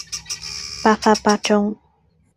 百發百中